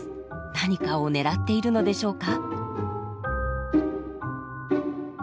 何かを狙っているのでしょうか。